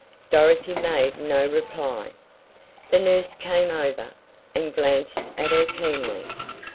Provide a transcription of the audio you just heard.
Dorothy made no reply. The nurse came over, and glanced at her keenly.